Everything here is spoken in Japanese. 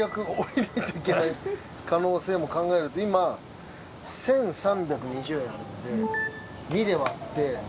可能性も考えると今１，３２０円なんで２で割って。